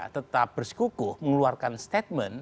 tetap bersikukuh mengeluarkan statement